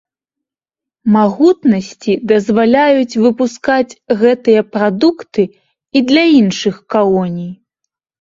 Магутнасці дазваляюць выпускаць гэтыя прадукты і для іншых калоній.